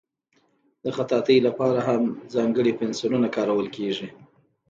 د خطاطۍ لپاره هم ځانګړي پنسلونه کارول کېږي.